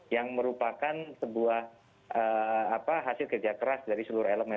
yang merupakan sebuah hasil kerja keras dari seluruh elemen